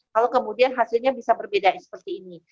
kalau kemudian hasilnya bisa berbeda seperti ini